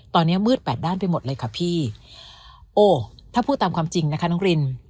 ตอนนี้มืดแปดด้านไปหมดเลยค่ะพี่โอ้ถ้าพูดตามความจริงนะคะน้องริน